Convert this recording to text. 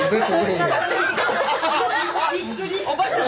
びっくりした。